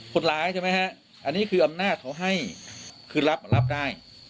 ใช่ไหมฮะอันนี้คืออำนาจเขาให้คือรับรับได้